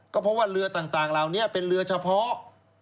ก็เพราะว่าเรือต่างเหล่านี้เป็นเรือเฉพาะ